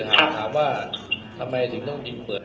แต่มันได้ราจไปทำจากนี้มันก็ปกติไม่ตอบให้ด้วย